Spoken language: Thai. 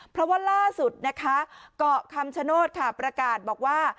เพราะว่าล่าสุดนะคะเกาะคำชโนธค่ะประกาศบอกว่า